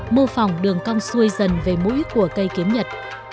mô phỏng đường cong xuôi dần về mũi của cây kiếm nhật